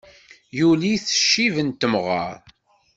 Yuli-t ccib n temɣer.